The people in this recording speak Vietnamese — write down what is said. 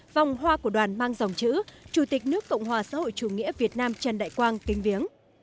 vòng hoa của đoàn mang dòng chữ chủ tịch nước cộng hòa xã hội chủ nghĩa việt nam trần đại quang kinh viếng